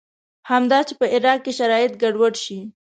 همدا چې په عراق کې شرایط ګډوډ شي.